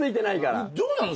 どうなの？